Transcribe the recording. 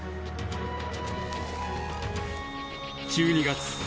１２月。